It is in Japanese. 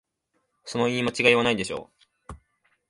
その言い間違いはないでしょ